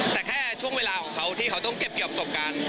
แต่แค่ช่วงเวลาของเขาที่เขาต้องเก็บเกี่ยวประสบการณ์